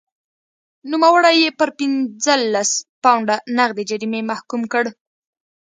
نوموړی یې پر پنځلس پونډه نغدي جریمې محکوم کړ.